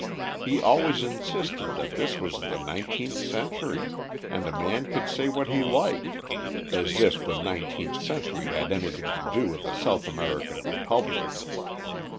He always insisted that this was the nineteenth century, and a man could say what he liked; as if the nineteenth century had anything to do with a South American Republic."